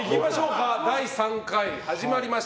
第３回始まりました。